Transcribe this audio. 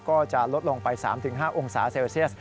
ก็จะลดลงไป๓๕องศาเซลเซียส